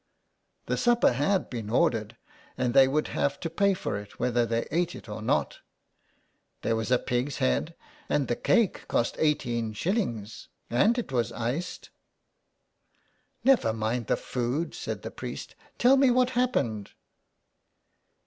"The supper had been ordered, and they would have to pay for it whether they ate it or not. There was a pig's head, and the cake cost eighteen shillings, and it was iced." 53 SOME PARISHIONERS. " Never mind the food," said the priest, ^' tell me what happened."